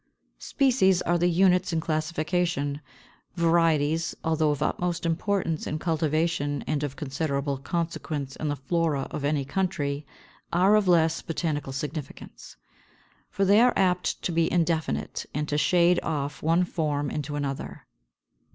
525. Species are the units in classification. Varieties, although of utmost importance in cultivation and of considerable consequence in the flora of any country, are of less botanical significance. For they are apt to be indefinite and to shade off one form into another.